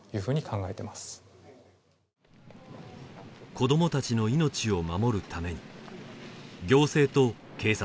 子どもたちの命を守るために行政と警察